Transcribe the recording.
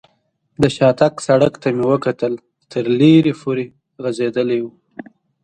د شاتګ سړک ته مې وکتل، تر لرې لرې پورې غځېدلی و.